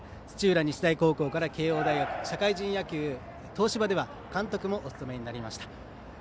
土浦日大高校から慶応大学社会人野球、東芝では監督もお務めになりました。